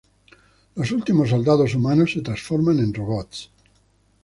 Los últimos soldados humanos se transforman en robots.